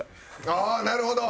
ああなるほど！